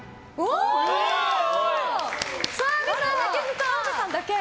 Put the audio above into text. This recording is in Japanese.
澤部さんだけ。